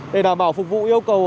để đảm bảo phục vụ yêu cầu